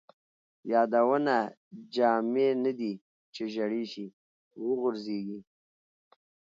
یادونه جامې نه دي ،چې زړې شي وغورځيږي